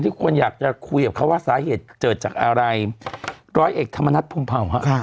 ที่ควรอยากจะคุยกับเขาว่าสาเหตุเจอจากอะไรร้อยเอกธรรมนัฐพงภาวะครับ